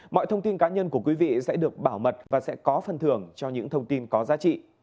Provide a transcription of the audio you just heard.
mọi thông tin cá nhân của quý vị sẽ được bảo mật và sẽ có phần thưởng cho những thông tin có giá trị